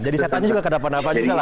jadi setannya juga kedepan apa juga lah